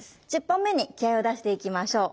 １０本目に気合いを出していきましょう。